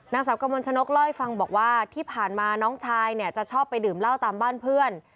นางสาวกระมวลชนกเล่าให้ฟังบอกว่าที่ผ่านมาน้องชายเนี่ยจะชอบไปดื่มเหล้าตามบ้านเพื่อน